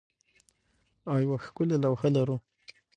او یوه ښکلې لوحه لرو